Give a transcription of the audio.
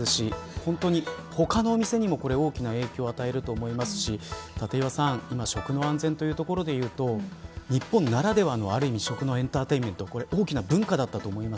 本当に他のお店にも大きな影響を与えると思いますし立岩さん、今の食の安全でいうことで言うと日本ならではの、ある意味エンターテインメント大きな文化だったと思います。